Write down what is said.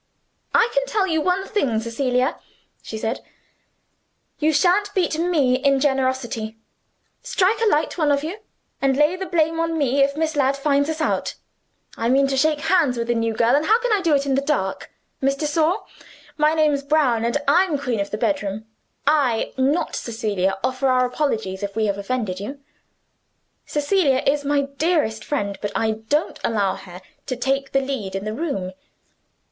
"I can tell you one thing, Cecilia," she said; "you shan't beat ME in generosity. Strike a light, one of you, and lay the blame on me if Miss Ladd finds us out. I mean to shake hands with the new girl and how can I do it in the dark? Miss de Sor, my name's Brown, and I'm queen of the bedroom. I not Cecilia offer our apologies if we have offended you. Cecilia is my dearest friend, but I don't allow her to take the lead in the room.